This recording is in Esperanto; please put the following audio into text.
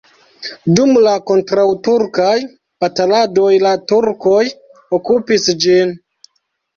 Dum la kontraŭturkaj bataladoj la turkoj okupis ĝin.